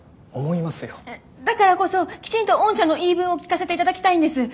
だからこそきちんと御社の言い分を聞かせて頂きたいんです！